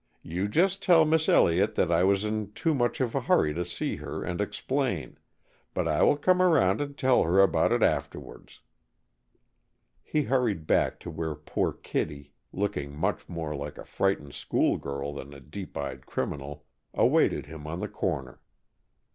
"You just tell Miss Elliott that I was in too much of a hurry to see her and explain, but I will come around and tell her about it afterwards." He hurried back to where poor Kittie, looking much more like a frightened school girl than like a deep dyed criminal, awaited him on the corner.